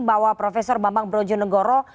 bahwa profesor bambang brojonegoro